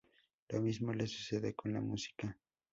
Lo mismo le sucede con la música.